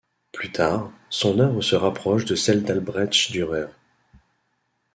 Plus tard, son œuvre se rapproche de celle d'Albrecht Dürer.